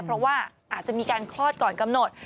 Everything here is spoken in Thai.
เพราะว่าอาจจะมีการคลอดก่อนกำหนด